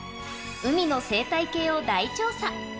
海の生態系を大調査。